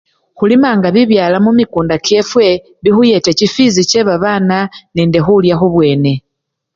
Khulimanga bibyala mumikunda kyefwe bikhuyete chifwisii chebabana nende khulya khubwene.